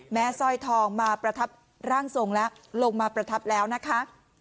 สร้อยทองมาประทับร่างทรงแล้วลงมาประทับแล้วนะคะ